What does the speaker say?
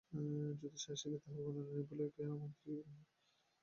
জ্যোতিষী আসিলে তাহার গণনা নির্ভুল কিনা মন্ত্রী তাহাকে জিজ্ঞাসা করিলেন।